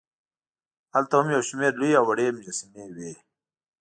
هلته هم یوشمېر لوې او وړې مجسمې وې.